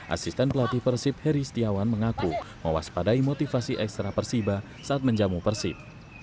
asisten pelatih persib heri setiawan mengaku mewaspadai motivasi ekstra persiba saat menjamu persib